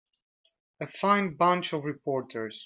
A fine bunch of reporters.